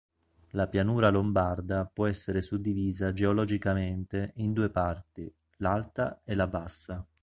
La pianura lombarda può essere suddivisa geologicamente in due parti: l'alta e la bassa.